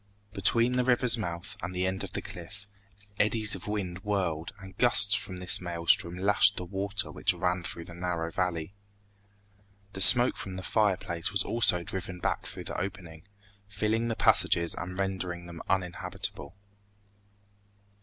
Between the river's mouth and the end of the cliff, eddies of wind whirled and gusts from this maelstrom lashed the water which ran through the narrow valley. The smoke from the fireplace was also driven back through the opening, filling the passages and rendering them uninhabitable.